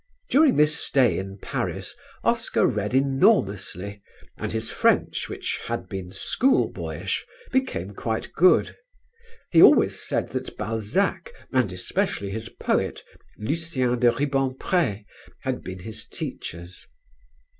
During this stay in Paris Oscar read enormously and his French, which had been school boyish, became quite good. He always said that Balzac, and especially his poet, Lucien de Rubempré, had been his teachers.